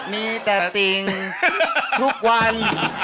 มีแต่ติ่งทุกวัน